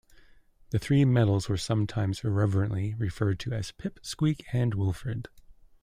The three medals were sometimes irreverently referred to as "Pip, Squeak and Wilfred".